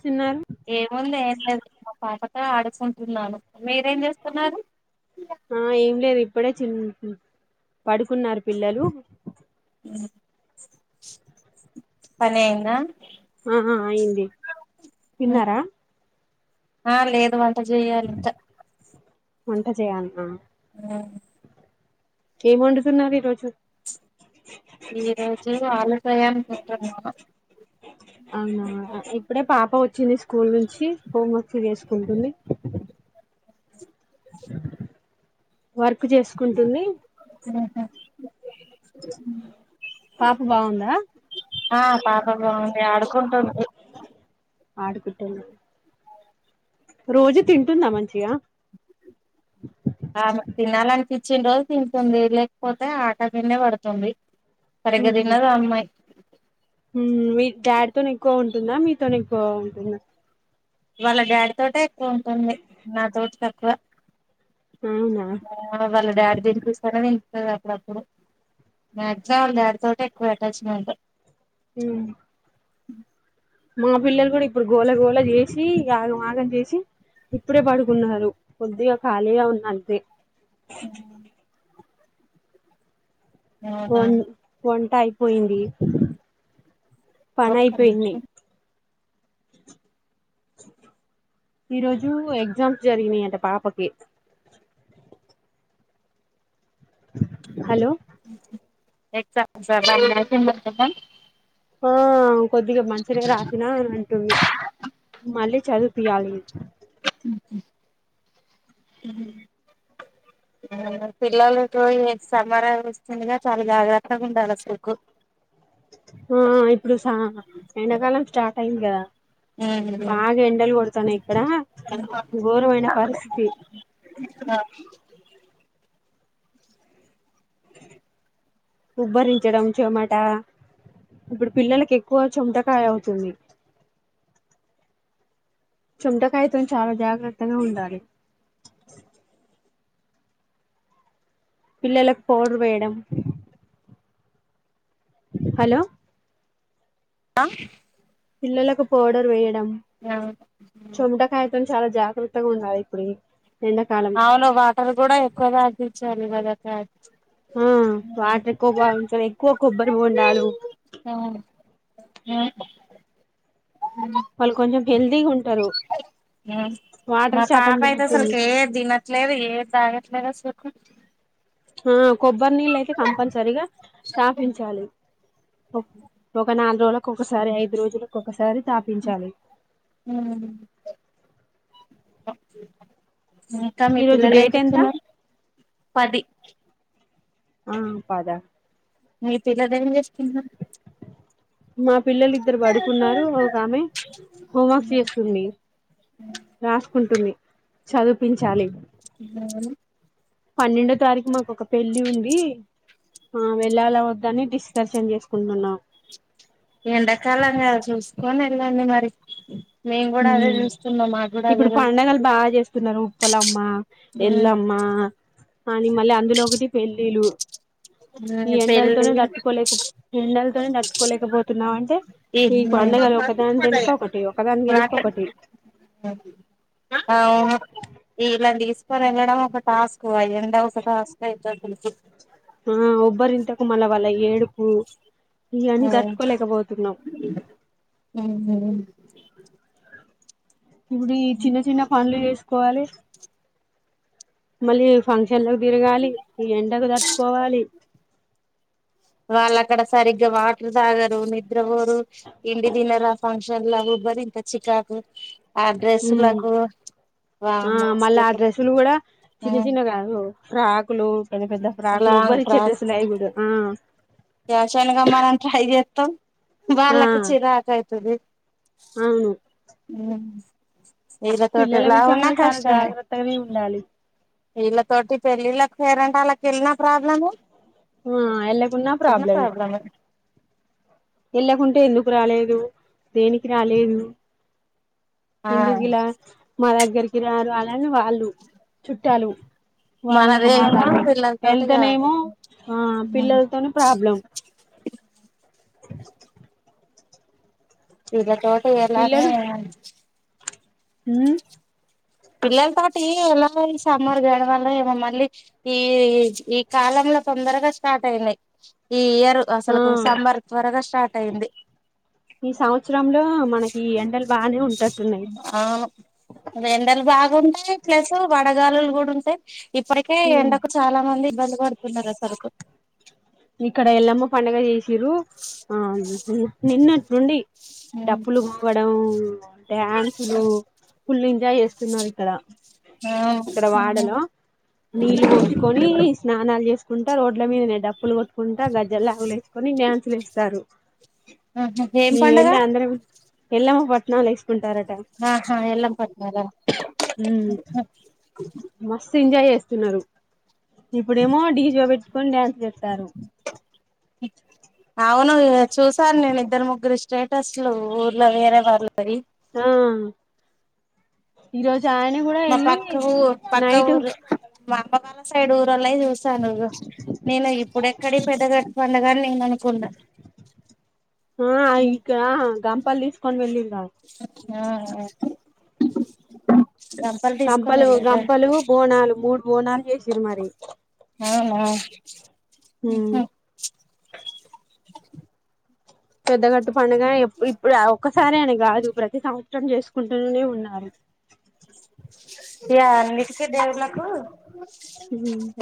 స్తున్నారు ఏముంది ఏం లేదు మా పాప ఆడుకుంటున్నాను మీరేం చేస్తున్నారు ఆ ఏం లేదు ఇప్పుడే చి పడుకున్నారు పిల్లలు పని అయిందా ఆహా అయింది తిన్నారా ఆ లేదు వంట చెయాలింక వంట చేయాల్నా మ్ ఏం వండుతున్నారు ఈ రోజు ఈ రోజు ఆలు ఫ్రై అనుకుంటున్నాను అవునా ఇప్పుడే పాప వచ్చింది స్కూల్ నుంచి హోమ్ వర్క్ చేసుకుంటుంది అ వర్క్ చేసుకుంటుంది పాప బాగుందా ఆ పాప బాగుం ఆడుకుంటుంది ఆడుకుట్టుం రోజు తింటుందా మంచిగా ఆ తినాలనిపిచ్చిన రోజు తింటంది లేకపోతే ఆటల్ మిదన్నే పడుతుంది సరిగా ఉహు దినదామ్మాయ్ మీ డాడీతోనే ఎక్కువ ఉంటుందా మీతోని ఆ ఉంటుంది వాళ్ళ డాడీ తోటె ఎక్కువ ఉంటుంది నాతోటి తక్కువ అవునా వాళ్ళ డాడీ దీని చూసానన్నీ టది అప్పుడప్పుడు మాక్సిమం వాళ్ళ డాడి తోటె ఎక్కువ అటాచ్మెంట్ మ్ అ మా పిల్లలు కూడా ఇప్పుడు గోళ గోళ చేసి ఆగం ఆగం చేసి ఇప్పుడే పడుకున్నారు కొద్దిగా ఖాళీగా ఉన్నంతే అవునా ఒన్న్ వన్ అయిపోయింది ఒక్క పనైపోయింది నిమిషం ఈరోజు ఎగ్జామ్స్ జరిగినాయి అంట పాపకి హలో ఎగ్జామ్స్ బాగా రాసిందంటనా ఆ కొద్దిగా మంచిగనే రాసినా అని అంటుంది మళ్ళీ చదివిపియాలి పిల్లలకు ఇగ సమ్మరా వస్తుందిగా చాలా జాగ్రత్తగా ఉండాలి అసలుకు ఆ ఇప్పుడు సా ఎండాకాలం స్టార్ట్ అయింది కదా బాగా ఎండలు కొడుతు తనే హా ఉబ్బరించడం చెమట ఇప్పుడు పిల్లలకు ఎక్కువ చమటకాయ అవుతుంది. చమటకాయితోని చాలా జాగ్రత్తగా ఉండాలి. పిల్లలకు పౌడర్ వేయడం హలో అ పిల్లలకు పౌడర్ వేయండం చముటకయతోని చాలా జాగ్రత్తగా ఉండాలి ఇప్పుడు ఈ అవును వాటర్ కూడా ఎక్కువ తాగిచ్చి చాలు గదా చ ఆ వాటర్ ఎక్కువ బావించాలి ఎక్కువ కొబ్బరి బోండాలు యా వాళ్లు కొంచెం హెల్దిగా ఉంటారు. వాటర్ శాతం పెరుగుతుంది. లేదు ఏమి తాగట్లేదు అసలు ఆ కొబ్బరినీళ్లు అయితే కంపల్సరిగా తాపించాలి. ఓక్ ఒక నాలుగు రోజులకు ఐదు రోజులకు ఒకసారి తాపించాలి. ఓ ఇంకా మీ ఈరోజు పిల్లలు ఏం డేట్ ఎంత చేస్తున్నారు పది ఆ పదా అయితే ఇయ్యాల ఎం చేసుకున్నారు మా పిల్లలు ఇద్దరు పడుకున్నారు ఒక ఆమె హోం వర్క్ చేస్తుంది రాసుకుంటుంది. చదువుపించాలి. అవును పన్నెండో తారీకు మాకు ఒక పెళ్లి ఉంది. ఆ వెళ్లాలా వద్దా అని డిస్ ఎండాకాలంగా చూసుకొని ఎ ఎల్లండి మరి మేము కూడా అదే ఉమ్ చూస్తున్నాం మాకు కూడా అదే ఇప్పుడు రోజు పండగలు బాగా చేస్తున్నారు. ఉప్పలమ్మ ఎల్లమ్మ అని మళ్ళీ అందులో ఒకటి పెళ్లిలు ఈ పెళ్ళి ఎండలతోనే తట్టుకోలేక ఎండల తోనే తట్టుకోలేక పోతున్నాము. అంటే ఈ పండగలు ఒకదాని వెనుక ఒకటి ఒకదాని వెనక ఒకటి ఆ అవును ఇలాంటి తీసుకొని వెళ్లడం ఒక టాస్క్ అయ్యా అంధ ఒసా ఒక టాస్క్ అయితది. అవును ఆ ఒబ్బరి ఇంతకు మల వాళ్ళ ఏడుపు ఇవన్నీ తట్టుకోలేకపోతున్నాం ఆ ఉహు అ ఇప్పుడి చిన్న చిన్న పనులు చేసు కోవాలి మళ్లీ ఫంక్ ఎండకు తిరగాలి ఈ ఎండకు తట్టుకోవాలి వాళ్ళు అక్కడ సరిగ్గా వాటర్ తాగరు నిద్రపోరు తిండి తినరు ఆ ఫంక్షన్ ల ఉబ్బ తీస్తది చికాకు ఆ ఉ డ్రెస్సులకు ఆ వామ్మో మళ్ళ అసలు ఆ డ్రస్సులు కూడా చిన్నచిన్నవి కాదు ఫ్రాకులు పెద్ద పెద్ద ఫ్రాకులు ఉబ్బారిచ్చే డ్రస్సులు వేయకూడదు ఆ పాషాన్గా మనం ట్రై చేస్తాం ఆ వాళ్ళకు చిరాకయితది అవును ఉ పిల్లల విషయంలో చాలా జాగ్రత్తగానే ఉండాలి వీళ్ళతోటి పెళ్ళిళ్ళకి పేరంటాలకి వెళ్ళిన ప్రాబ్లమే ఆ ఎలాకున్నా ఇటున్న ప్రబ్లమే ప్రాబ్లమే వెళ్ళకుంటే ఎందుకు రాలేదు దేనికి రాలేదు ఆ ఎందుకు ఇలా మా దగ్గరికి రారు అద్ అని వాళ్ళు చుట్టాలు వాళ్ళ ఒక మాట మనదేమో అంటారు పిల్లలతోటి వెళ్తేనే కాదు ఏమో ఆ పిల్లలతోని ప్రాబ్లం పిగతో చే ఎలానే ఉ పిల్లలతోటి ఎలా ఈ సమ్మర్ గడ వల్ల ఏమో మళ్ళీ ఈ ఈ కాలంలో తొందరగా స్టార్ట్ అయింది ఈ ఇయర్ ఆ అసలు సమ్మర్ త్వరగా స్టార్ట్ అయింది ఈ సంవత్సరంలో మనకి ఎండలు బానే ఉన్ అవును ఎండలు బాగుంటే ప్లస్ వడగాలులు కూడా ఉంటాయి ఇప్పటికే ఎండకు చాలా మంది ఇబ్బంది పడుతున్నారు అసార్కు ఇక్కడ ఎల్లమ్మ పండగ చేసిరు ఆ నిన్నట్ నుండి డప్పులు పోవడం డ్యాన్సులు ఫుల్ ఎంజాయ్ చేస్తున్నారు ఇక్కడ ఇక్కడ వాడలో నీళ్ళు పోసుకొని స్నానాలు చేసుకుంటా రోడ్ల మీద డ కుంట గజ్జలు లాగులేేసుకొని డాన్సులేస్తారు ఆహ ఏం పండగ ఎల్లమ పట్నాలెస్ ఆహా ఎల్లం పట్నాల ఉమ్ ఇస్తున్నరు ఇప్పుడేమో డీజె పెట్టుకొని డ్యాన్స్ జెస్ ట్టారు అవును చూసాను నేను ఇద్దరు ముగ్గురు స్టేటస్లు ఊర్లో వేరే వాళ్ళవి ఆ ఈరోజు ఆయన కూడా మా వెళ్ళి పక్క ఊ పక్క నైట్ ఊర్ మా బాల సైడ్ ఇడల చూసాను నేను ఇప్పుడు ఎక్కడ పెద్ద గ పండుగని నేను అనుకున్న ఆ ఇకా గంపల్ తీస్కోన్ వెల్లిడు అ ఆ గంపలు తీసుకొని కంపలు వెళ్ళారా గంపలు బోనాలు మూడ్ బోనాల్ చేశిరు మరి అవునా ఉమ్ హా [inaudible] పెద్ద గట్టు పండుగ ఎప్పుడు ఇప్పుడు ఆ ఒక్కసారి అని కాదు ప్రతి సంవత్సరం చేసుకుంటూనే ఉన్నారు యా అన్ని దేవున్నాకు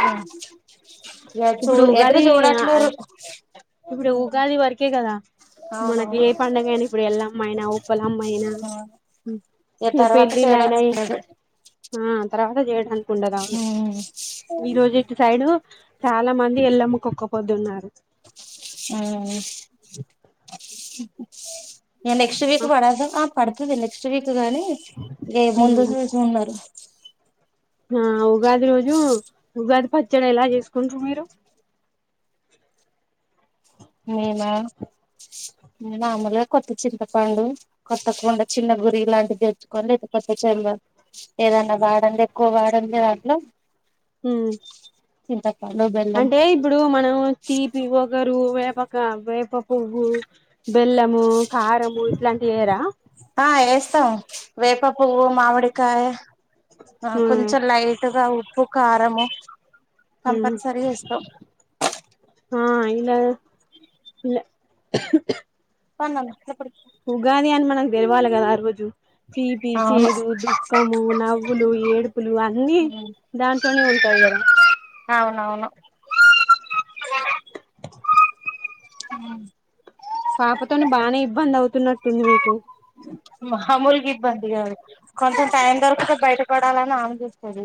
ఆ యా చు ఇప్పుడు ఎదరు ఉగాది చూడట్లేరు ఇప్పుడు ఉగాది వరకే కదా మనకి ఏ అవునవును పడుగ అయినా ఇప్పుడు ఎల్లమ్మయినా ఉప్పలమ్మయినా ఇగ తర్వాత పెళ్ళిళ్ళయినా చేయడానికి లేదు ఆ తర్వా జేడాని ఉండదా అవును ఉమ్ ఈ రోజు ఇటు సైడు చాలా మంది ఎల్లమ్మ కొక్కపోద్దున్నారు ఆ ఎ నెక్స్ట్ వీక్ పడా ద ఆ పడ్ కింద నెక్స్ట్ వీక్ తేగాని ఏ ముందు నుంచి ఉన్నారు ఆ ఉగాది రోజు ఉగాది పచ్ చ్చడ ఎలా చేసుకుంట్రు మీరు మేమా మామూలుగా కొత్త చింతపండు, కొత్త కుండ, చిన్న గురియ లాంటిది దెచ్చుకోని లేకపోతే చెన్వ ఏదన్నా వాడంది ఎక్కువ వాడందాంట్లో, హ్మ్ చింత అంటే ఇప్పుడు మనం తీపి ఒగరు వేపక వేప్ పువ్వు బెల్లము కారము ఇట్లాంటివేయరా ఆ ఏస్తాం వేప పువ్వు మామిడికాయ ఆ కొంచెం లైట్ గా ఉ ప్పు కారము హ్మ్ కంపల్సరీ వేస్తాం ఆ ఇలా లె పండ్లన్ ఎప్పుడు ఉగాది అని మనకు తెలవాల కదా ఆ రోజు తీపి, చేదు, దుఃఖము, నవ్వులు, ఏడుపులు అన్నీ దాంట్లోనే ఉంటాయ్ కదా, అవున్ అవును హ్మ్ పాపతోని బానే ఇబ్బంది అవుతున్నట్టుంది మీకు మామూలుగు ఇబ్బంది కాదు కొంచెం టైం దొరుకుతే బయటపడాలని ఆనందిస్తది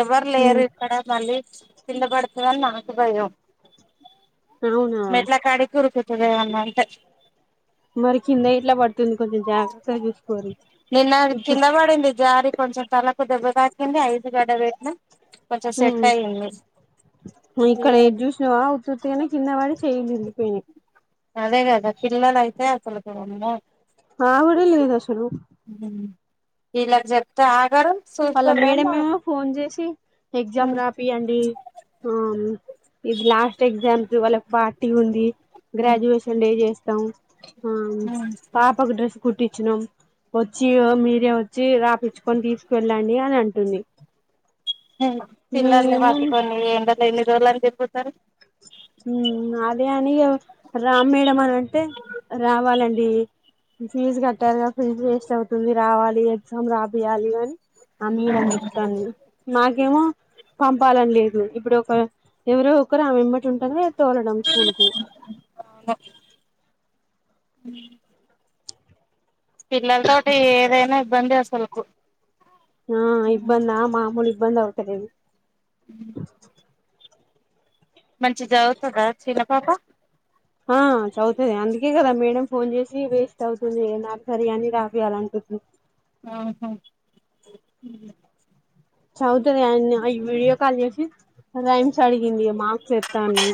ఎవరు ఉమ్ లేరు ఇక్కడ మళ్ళీ కిందబడుతదని నాకు భయం అవునా మెట్ల కాడికురుకు తినదేమన్న అంటే మరి కింద ఎట్లా పడుతుంది కొంచెం జాగ్రత్త చూస్ నిన్న కిందబడింది జారి కొంచెం తలకు దెబ్బ తాకింది ఐసుగడ్డలు వేట్నా హ్మ్ ఇక్కడ ఇది చూసినవ ఉత్తుత్తుగానె కింద వడి చేయిలిరిగిపేయినాయ్ అదే గదా పిల్లలు అయితే అసలు కి అమ్మో హా వడే లేదు అసలు వీల్లగ్ చెప్తే ఆగరు వాళ్ళ చూస్తలేమో మేడమేమో ఫోన్ చేసి ఎగ్జామ్ రాపియండి, ఆ ఇది లాస్ట్ ఎగ్జామ్ కి వాళ్ళకి పార్టీ ఉంది. గ్రాడ్యుయేషన్ డే జే తా ఆ పాపాకు డ్రెస్ కుట్టిచ్చిన వచ్చి మీరే వచ్చి రాపిచ్చుకొని తీసు వెళ్ళండి అని అంటుంది పిల్లల్ని మేమేమో హత్తుకొని ఏండ ఇల్ల అ సర ఉ అదే అని రామ్ మేడ అని అంటే రావాలండి ఫీజు కట్టారుగా ఫీజు వేస్ట్ అవుతుంది రావాలి ఎగ్జామ్ రాబయాలి అని ఆ మేడం జెప్తాంది మాకేమో పంపాలని లేదు ఇప్పుడు ఒక ఎవరో ఒకరు ఆమెమ్మట్ ంట తోలడం స్కూలుకు అ పిల్లలతోటి ఏదైనా ఇబ్బంది వసు సలుకు ఆ ఇబ్బంద మామూలు ఇబ్బంది అవుతలేదు ఉ మంచి జదుతుందా చిన్న పాప ఆ చవుతుది అందుకే గదా మేడం ఫోన్ జేసి వేస్ట్ అవుతుంది నా సర్ అని రాపి అలా అంటుంది ఆహా చౌ తది అన్ని విడియ కాల అసి రైమ్స్ అడిగింది మాక్స్ ఏత్తాన్న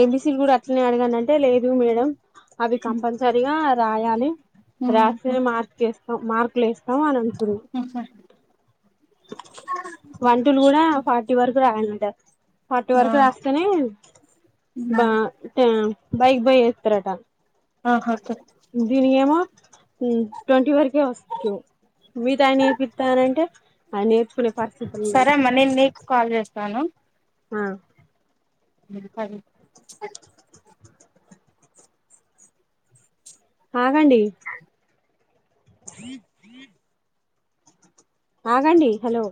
ఏబిసిడిలు గూడా అట్లనే అడగాన తే లేదు మేడం అవి కంపల్సరిగా రాయాలి రాస్తేనే మార్క్ మార్కులు యేస్తాం అని అంటుంది వన్ టూల్ గూడా ఫార్టీ వరకు రాయాల్నంట పార్టీ ఎ వరకు రాస్తేనే బా టా బైక్ బొయ్ ఎకుతరటా ఆహా దీని ఏమో ట్వంటీ వర్ వస్తు మీ దాన్ని ఇనిపితానంటే సరే అమ్మ నేను నీకు కాల్ చేస్తాను ఆ సరే ఆగండి ఆగండి హలో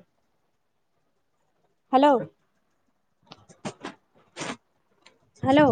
హలో హలో